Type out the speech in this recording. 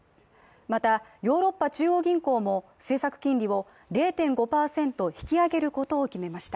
またヨーロッパ中央銀行も政策金利を０．５％引き上げることを決めました。